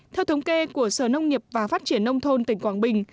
theo thống kê của sở nông nghiệp và phát triển nông thôn tỉnh quảng bình